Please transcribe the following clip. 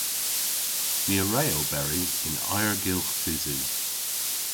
My a wre oberi yn ayrgylgh bysi.